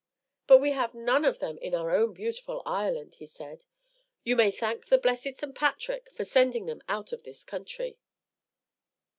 "But we have none of them in our own beautiful Ireland," he said. "You may thank the blessed St. Patrick for sending them out of this country."